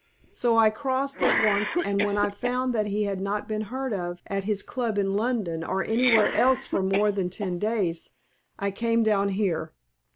So I crossed at once, and when I found that he had not been heard of at his club in London or anywhere else for more than ten days, I came down here.